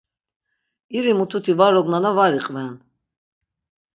İri mututi var ognana var iqven!